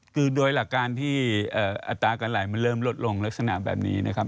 คือโดยหลักการที่อัตราการไหลมันเริ่มลดลงลักษณะแบบนี้นะครับ